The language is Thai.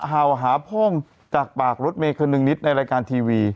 เห่าหาโพ่งจากปากรถเมย์คนหนึ่งนิดในรายการทีวี